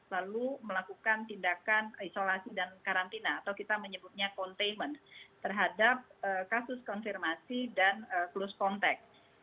lalu melakukan tindakan isolasi dan karantina atau kita menyebutnya containment terhadap kasus konfirmasi dan close contact